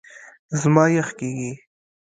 زما یخ کېږي .